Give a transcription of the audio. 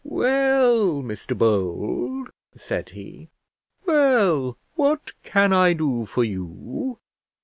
"Well, Mr Bold," said he; "well, what can I do for you?